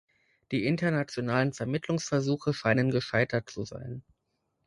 Die internationalen Vermittlungsversuche scheinen gescheitert zu sein.